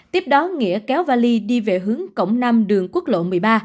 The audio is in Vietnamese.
tiếp đó nghĩa kéo vali đi về hướng cổng năm đường quốc lộ một mươi ba